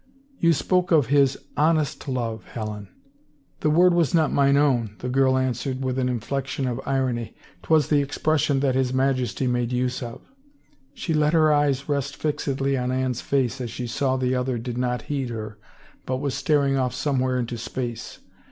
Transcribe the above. " You spoke of his honest love, Helen ?'*" The word was not mine own," the girl answered with an inflection of irony. " 'Twas the expression that his Majesty made use of." She let her eyes rest fixedly on Anne's face as she saw the other did not heed her but was staring off somewhere into space.